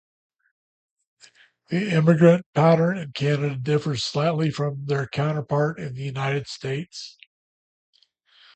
The immigrant pattern in Canada differs slightly from their counterpart in the United States.